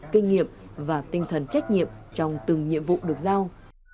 kinh nghiệm và tinh thần trách nhiệm trong từng nhiệm vụ được giao